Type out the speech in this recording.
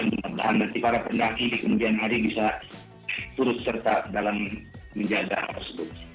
mudah mudahan nanti para pendaki di kemudian hari bisa turut serta dalam menjaga hal tersebut